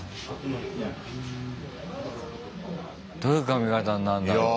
どういう髪形になるんだろう。